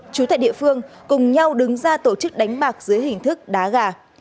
chú tại địa phương cùng nhau đứng ra tổ chức đánh bạc dưới hình thức đá gà